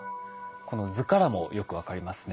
この図からもよく分かりますね。